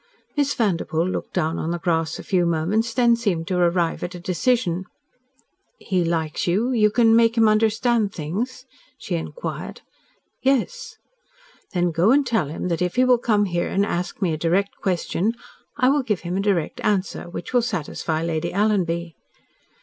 Miss Vanderpoel looked down on the grass a few moments, and then seemed to arrive at a decision. "He likes you? You can make him understand things?" she inquired. "Yes." "Then go and tell him that if he will come here and ask me a direct question, I will give him a direct answer which will satisfy Lady Alanby."